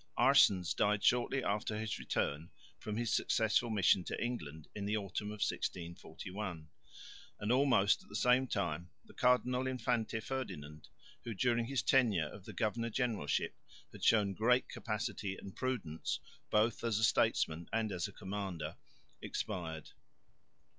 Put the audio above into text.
Aerssens died shortly after his return from his successful mission to England in the autumn of 1641; and almost at the same time the Cardinal Infante Ferdinand, who during his tenure of the governor generalship had shown great capacity and prudence both as a statesman and as a commander, expired.